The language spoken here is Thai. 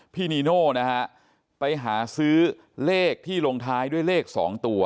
นีโน่นะฮะไปหาซื้อเลขที่ลงท้ายด้วยเลข๒ตัว